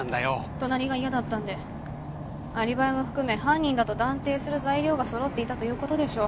隣が嫌だったんでアリバイも含め犯人だと断定する材料が揃っていたということでしょう